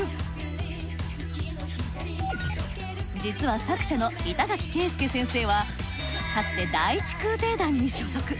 実は作者の板垣恵介先生はかつて第一空挺団に所属。